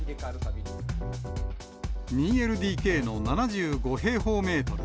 ２ＬＤＫの７５平方メートル。